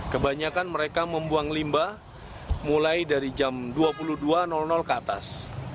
kebanyakan mereka membuang limbah mulai dari jam dua puluh dua ke atas